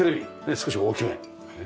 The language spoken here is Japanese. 少し大きめ。